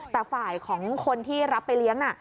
แต่ฝ่ายของคนที่รับไปเลี้ยงน่ะ